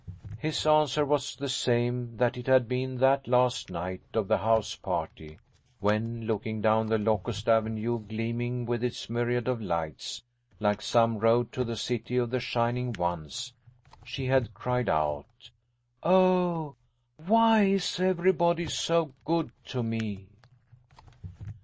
His answer was the same that it had been that last night of the house party, when, looking down the locust avenue gleaming with its myriad of lights, like some road to the City of the Shining Ones, she had cried out: "Oh, why is everybody so good to me?"